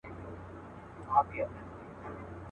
مغول به وي، یرغل به وي او خوشحال خان به نه وي.